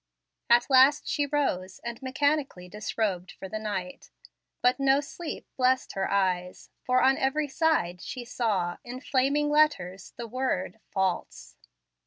At last she rose, and mechanically disrobed for the night: but no sleep blessed her eyes, for, on every side, she saw, in flaming letters, the word false.